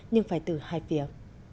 nhưng phải từ hai phía